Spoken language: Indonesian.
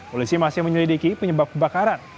polisi masih menyelidiki penyebab kebakaran